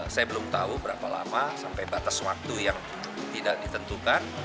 saya belum tahu berapa lama sampai batas waktu yang tidak ditentukan